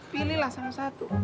pilihlah salah satu